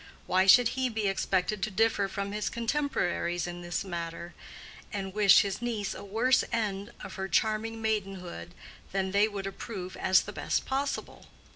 Why should he be expected to differ from his contemporaries in this matter, and wish his niece a worse end of her charming maidenhood than they would approve as the best possible?